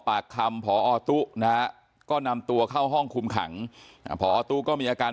ปากคำพอตู้นะฮะก็นำตัวเข้าห้องคุมขังพอตู้ก็มีอาการ